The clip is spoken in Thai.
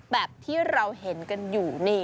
แบบที่เราเห็นกันอยู่นี่